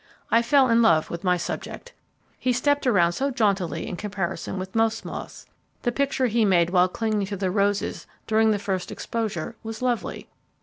I fell in love with my subject. He stepped around so jauntily in comparison with most moths. The picture he made while clinging to the roses during the first exposure was lovely.